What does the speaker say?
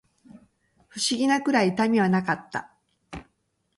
不思議なくらい痛みはなかった